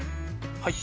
はい。